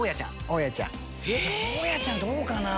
大家ちゃんどうかな？